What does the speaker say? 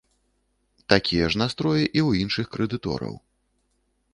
Такія ж настроі і ў іншых крэдытораў.